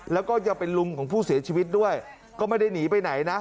แล้วก็ยังเป็นลุงของผู้เสียชีวิตด้วยก็ไม่ได้หนีไปไหนนะ